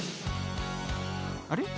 あれ？